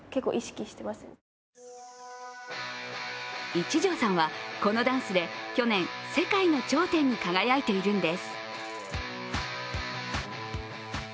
一条さんはこのダンスで去年、世界の頂点に輝いているんです。